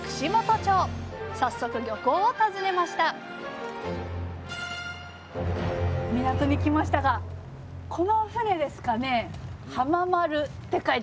早速漁港を訪ねました港に来ましたがこの船ですかね。